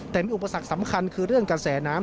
แต่มีอุปสรรคสำคัญคือเรื่องกระแสน้ำ